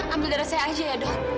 ambil darah saya aja ya dok